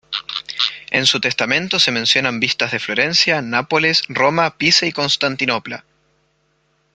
En su testamento se mencionan vistas de Florencia, Nápoles, Roma, Pisa y Constantinopla.